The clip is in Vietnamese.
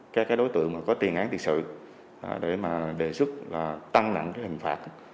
các đối tượng có tiền án thiệt sự để đề xuất tăng nặng hình phạt